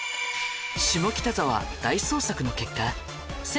下北沢大捜索の結果